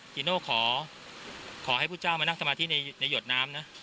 จินโน่ขอขอให้พ่อเจ้ามานั่งสมาธิในในหยดน้ำนะ